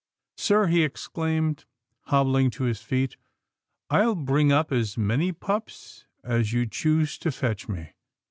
" Sir," he exclaimed, hobbling to his feet, " I'll bring up as many pups as you choose to fetch me."